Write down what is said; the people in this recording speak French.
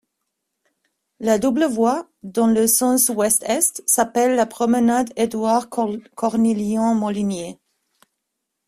La double voie, dans le sens ouest-est s'appelle la promenade Édouard Corniglion-Molinier.